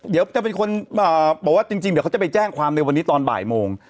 เดี๋ยวจะเป็นคนบอกว่าจริงเดี๋ยวเขาจะไปแจ้งความในวันนี้ตอนบ่ายโมง